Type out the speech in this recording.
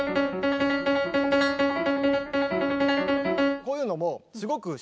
こういうのもすごく順番に。